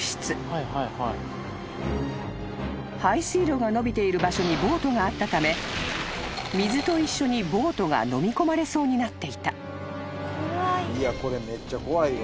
［排水路が延びている場所にボートがあったため水と一緒にボートがのみ込まれそうになっていた］